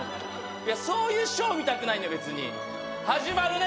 いやそういうショー見たくないのよ別に始まるね